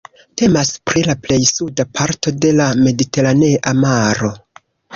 Temas pri la plej suda parto de la Mediteranea Maro.